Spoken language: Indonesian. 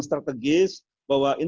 menteri dalam negeri tidak ada satupun